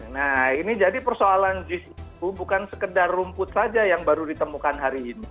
nah ini jadi persoalan jis itu bukan sekedar rumput saja yang baru ditemukan hari ini